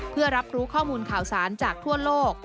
เพื่อรับรู้ข้อมูลข่าวสารจากทั่วโลก